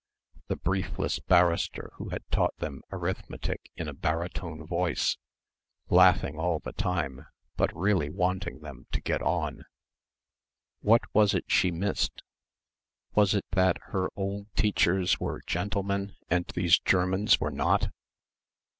the briefless barrister who had taught them arithmetic in a baritone voice, laughing all the time but really wanting them to get on. What was it she missed? Was it that her old teachers were "gentlemen" and these Germans were not?